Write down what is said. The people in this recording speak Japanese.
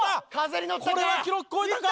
これは記録超えたか？